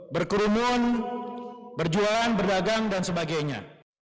berkerumun berjualan berdagang dan sebagainya